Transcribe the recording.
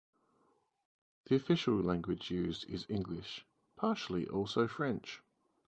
The official language used is English, partially also French.